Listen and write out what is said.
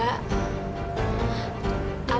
apa benar wakil itu